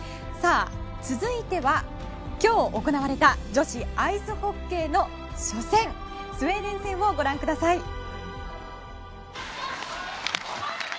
続いては、今日行われた女子アイスホッケーの初戦スウェーデン戦をご覧ください。